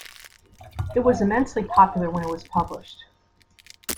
It was immensely popular when it was published.